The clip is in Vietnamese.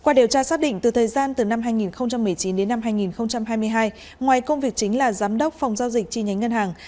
qua điều tra xác định từ thời gian từ năm hai nghìn một mươi chín đến năm hai nghìn hai mươi hai ngoài công việc chính là giám đốc phòng giao dịch chi nhánh ngân hàng